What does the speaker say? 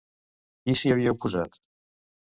Qui s'hi havia oposat?